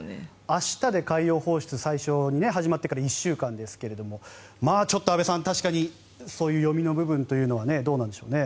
明日で海洋放出が最初に始まってから１週間ですがちょっと安部さん、確かにそういう読みの部分というのはどうなんでしょうね。